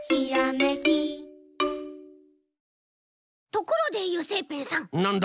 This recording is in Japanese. ところで油性ペンさん。